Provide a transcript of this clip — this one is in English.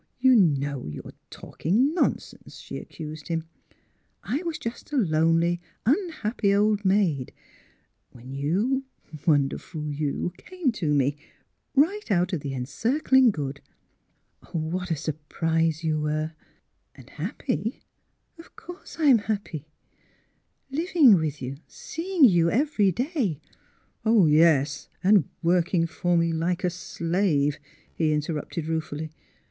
" You know you're talking nonsense! " she ac cused him. '' I was just a lonely, unhappy old maid, when you — wonderful you — came to me, right out of the Encircling Good. Oh, what a sur TRANSFIGURATION 31 prise you were! — And happy? Of course I'm happy; — living with you, seeing you every day "" Yes, and working for me like a slave," he interrupted ruefully.